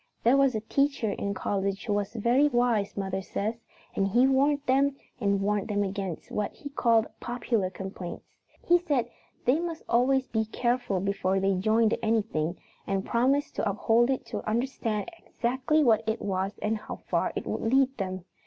There was a teacher in college who was very wise, mother says, and he warned them and warned them against what he called popular complaints. He said they must always be careful before they joined anything and promised to uphold it to understand exactly what it was and how far it would lead them.